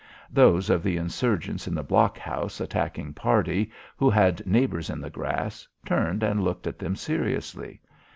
Those of the insurgents in the blockhouse attacking party, who had neighbours in the grass, turned and looked at them seriously.